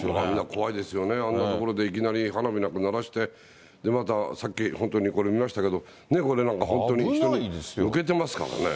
怖いですよね、あんな所でいきなり花火なんか鳴らして、また、さっき本当に、これ見ましたけど、これなんか本当に人に向けてますからね。